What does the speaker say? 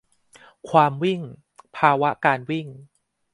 'ความวิ่ง' ภาวะการวิ่ง